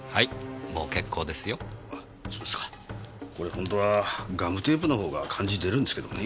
本当はガムテープのほうが感じ出るんですけどね。